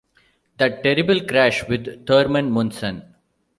That terrible crash with Thurman Munson.